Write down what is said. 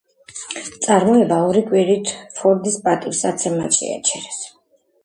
წარმოება ორი კვირით, ფორდის პატივსაცემად შეაჩერეს.